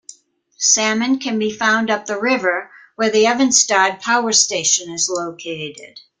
Salmon can be found up the river, where the Evenstad power station is located.